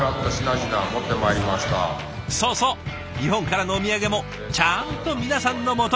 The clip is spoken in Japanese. そうそう日本からのお土産もちゃんと皆さんの元へ。